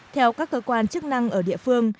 theo các cơ quan chức năng ở địa phương